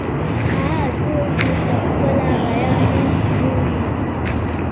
هغه توکي په خپله بیه نه پلوري